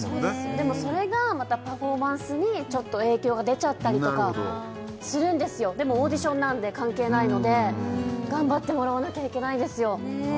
でもそれがまたパフォーマンスにちょっと影響が出ちゃったりとかするんですよでもオーディションなんで関係ないので頑張ってもらわなきゃいけないんですよ